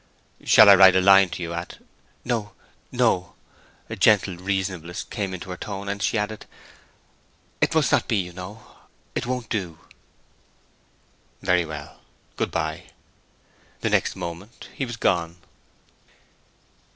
"Shall I write a line to you at—" "No, no." A gentle reasonableness came into her tone as she added, "It must not be, you know. It won't do." "Very well. Good by." The next moment he was gone.